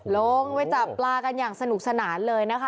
ลงไปจับปลากันอย่างสนุกสนานเลยนะคะ